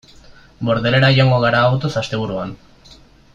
Bordelera joango gara autoz asteburuan.